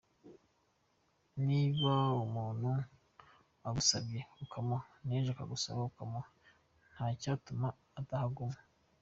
Niba umuntu agusabye ukamuha, n’ejo akagusaba ukamuha, nta cyatuma atahaguma.